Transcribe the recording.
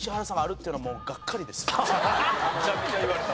めちゃめちゃ言われた。